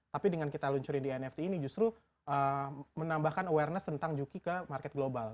tapi dengan kita luncurin di nft ini justru menambahkan awareness tentang juki ke market global